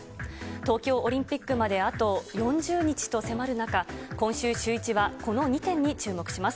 東京オリンピックまであと４０日と迫る中、今週、シューイチはこの２点に注目します。